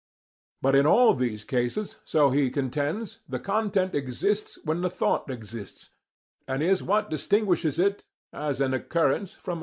But in all these cases, so he contends, the content exists when the thought exists, and is what distinguishes it, as an occurrence, from other thoughts.